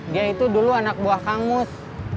dia itu dulu anak buah kangus